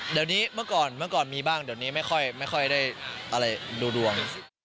เดี๋ยวนี้เมื่อก่อนมีบ้างเดี๋ยวนี้ไม่ค่อยได้ดูดวง